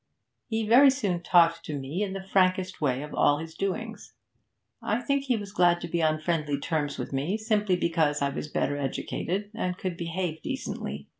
He very soon talked to me in the frankest way of all his doings; I think he was glad to be on friendly terms with me simply because I was better educated and could behave decently.